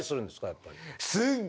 やっぱり。